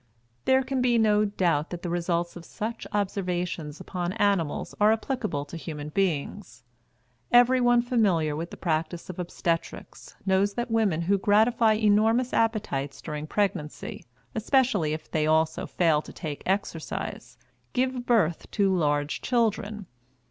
There can be no doubt that the results of such observations upon animals are applicable to human beings. Everyone familiar with the practice of obstetrics knows that women who gratify enormous appetites during pregnancy, especially if they also fail to take exercise, give birth to large children.